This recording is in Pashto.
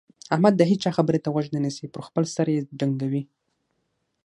احمد د هيچا خبرې ته غوږ نه نيسي؛ پر خپل سر يې ډنګوي.